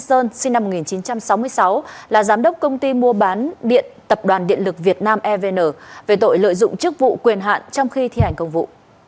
trong khi thi hành công vụ